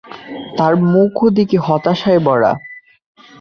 তার মুখও দেখি হতাশায় ভরা।